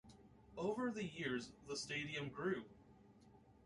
Over the years, the stadium grew.